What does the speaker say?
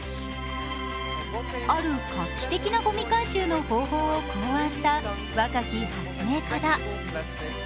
ある画期的なゴミ回収の方法を考案した若き発明家だ。